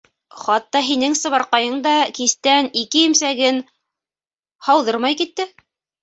Хатта һинең Сыбарҡайың да кистән ике имсәген һауҙырмай китте...